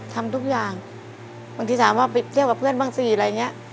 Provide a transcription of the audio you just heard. ทำทุกอย่างบางทีถามว่าไปเที่ยวกับเพื่อนบ้างสิอะไรอย่างนี้